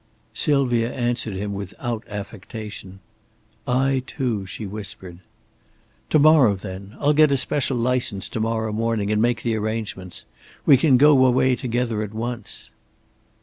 Sylvia answered him without affectation. "I, too," she whispered. "To morrow then! I'll get a special license to morrow morning, and make the arrangements. We can go away together at once."